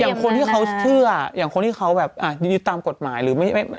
อย่างคนที่เขาเชื่ออย่างคนที่เขาอยู่ตามกรดรภัย